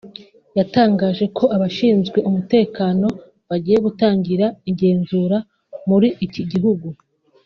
yatangaje ko abashinzwe umutekano bagiye gutangira igenzura muri iki gihugu